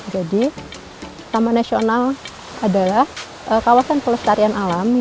jadi taman nasional adalah kawasan pelestarian alam